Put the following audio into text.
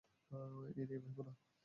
এ নিয়ে ভেবো না।